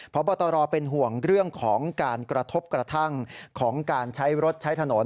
พบตรเป็นห่วงเรื่องของการกระทบกระทั่งของการใช้รถใช้ถนน